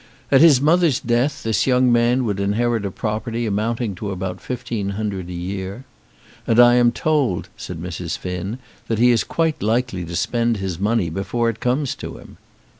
At his mother's death this young man would inherit a property amounting to about fifteen hundred a year. "And I am told," said Mrs. Finn, "that he is quite likely to spend his money before it comes to him."